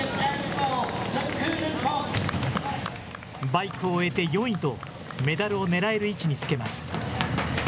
バイクを終えて４位と、メダルをねらえる位置につけます。